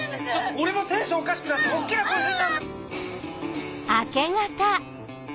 俺もテンションおかしくなって大っきな声出ちゃう。